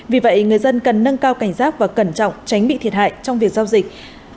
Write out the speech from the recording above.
vì vậy người dân cần nâng cao cảnh giác và cẩn trọng tránh bị thiệt hại trong việc giao dịch